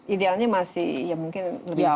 idealnya masih ya mungkin lebih banyak